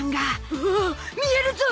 おおっ見えるゾ！